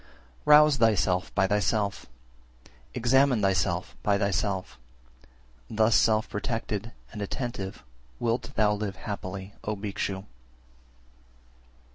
379. Rouse thyself by thyself, examine thyself by thyself, thus self protected and attentive wilt thou live happily, O Bhikshu!